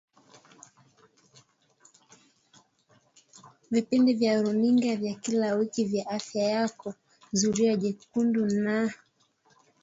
vipindi vya runinga vya kila wiki vya Afya Yako Zulia Jekundu na